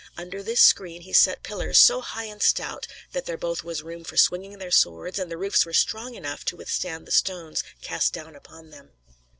Under this screen he set pillars, so high and stout that there both was room for swinging their swords, and the roofs were strong enough to withstand the stones cast down upon them."